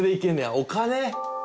お金？